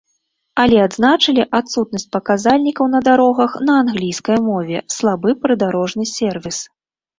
Але адзначылі адсутнасць паказальнікаў на дарогах на англійскай мове, слабы прыдарожны сервіс.